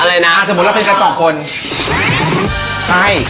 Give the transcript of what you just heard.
อะไรนะถ้าบอกเราเป็นกัน๒คน